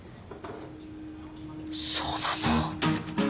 そうなの？